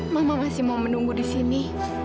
mama masih mau menunggu disini